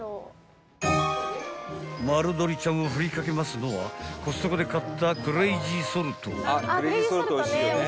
［丸鶏ちゃんを振り掛けますのはコストコで買ったクレイジーソルト］